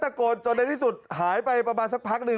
ตะโกนจนในที่สุดหายไปประมาณสักพักหนึ่ง